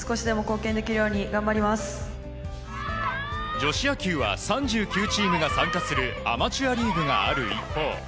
女子野球は３９チームが参加するアマチュアリーグがある一方